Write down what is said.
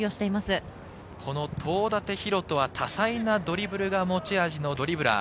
東舘大翔は多彩なドリブルが持ち味のドリブラー。